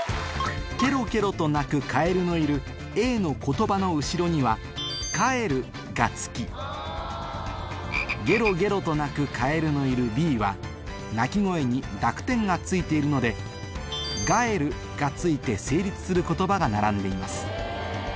ケロケロと鳴くカエルのいるＡの言葉の後ろには「かえる」が付きゲロゲロと鳴くカエルのいるＢは鳴き声に濁点が付いているので「がえる」が付いて成立する言葉が並んでいます